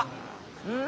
うん？